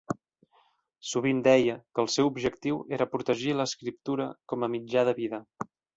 Sovint deia que el seu objectiu era protegir l'escriptura com a mitjà de vida.